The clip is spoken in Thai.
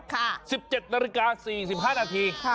๑๗นาฬิกา๔๕นาที